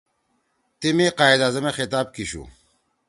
ی تیمی قائداعظم ئے خطاب کیِشُو